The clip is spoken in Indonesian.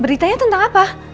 beritanya tentang apa